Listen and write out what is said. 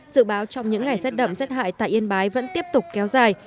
dự báo trong những ngày rét đậm rét hại tại yên bái vẫn tiếp tục kéo dài